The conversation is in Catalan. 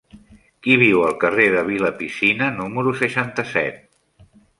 Qui viu al carrer de Vilapicina número seixanta-set?